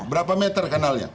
berapa meter kanalnya